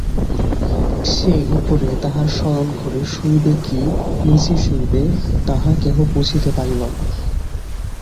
সে উপরে তাহার শয়নঘরে শুইবে কি নীচে শুইবে তাহা কেহ বুঝিতে পারিল না।